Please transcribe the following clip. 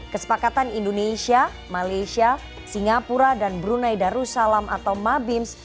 kesepakatan indonesia malaysia singapura dan brunei darussalam atau mabims